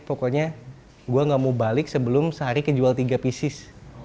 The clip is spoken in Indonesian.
pokoknya gue gak mau balik sebelum sehari kejual tiga pieces